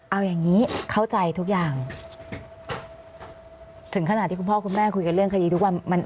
เอาอย่างนี้เข้าใจทุกอย่างถึงขนาดที่คุณพ่อคุณแม่คุยกันเรื่องคดีทุกวันมัน